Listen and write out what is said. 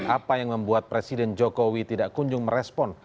apa yang membuat presiden jokowi tidak kunjung merespon